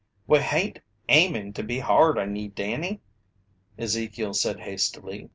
"We hain't aimin' to be hard on ye, Danny," Ezekiel said hastily.